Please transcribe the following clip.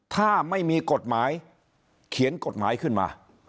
ถ้าไม่มีกฎหมายเขียนกฎหมายขึ้นมา